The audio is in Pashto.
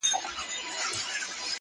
جونګړه د زمرو ده څوک به ځي څوک به راځي!!